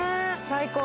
最高